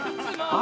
あ！